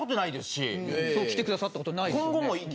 来てくださったことないですよね。